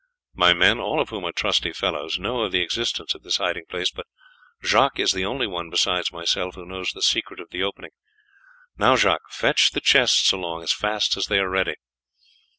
My men, all of whom are trusty fellows, know of the existence of this hiding place, but Jacques is the only one besides myself who knows the secret of the opening. Now, Jacques, fetch the chests along as fast as they are ready."